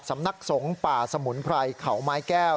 สำนักสงฆ์ป่าสมุนไพรเขาไม้แก้ว